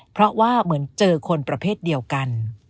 เพราะว่าเหมือนเจอคนประเภทเดียวกัน